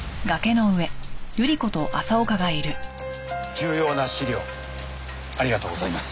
重要な資料ありがとうございます。